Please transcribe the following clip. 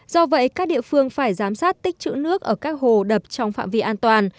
do vậy các địa phương phải giám sát tích chữ nước ở các hồ đập trong phạm vi an toàn